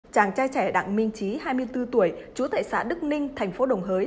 chàng trai trẻ đặng minh trí hai mươi bốn tuổi chú tệ xã đức ninh tp đồng hới